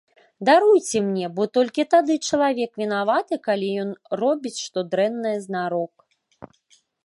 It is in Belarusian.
Даруйце мне, бо толькі тады чалавек вінаваты, калі ён робіць што дрэннае знарок.